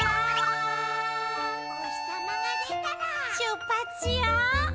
おひさまがでたらしゅっぱつしよう！